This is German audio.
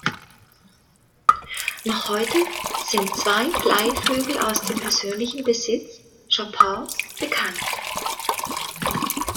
Noch heute sind zwei Pleyel-Flügel aus dem persönlichen Besitz Chopins bekannt.